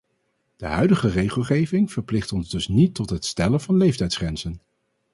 De huidige regelgeving verplicht ons dus niet tot het stellen van leeftijdsgrenzen.